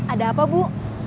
ada apa bu